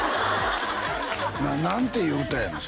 何ていう歌やねん